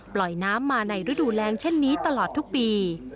ปล่อยน้ำมาในฤดูแรงเช่นนี้ตลอดทุกปี